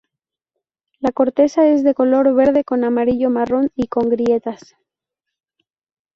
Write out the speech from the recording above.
La corteza es de color verde con amarillo-marrón y con grietas.